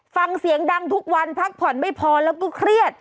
ฟังเสียงดังทุกวันพักผ่อนไม่พอแล้วก็เครียด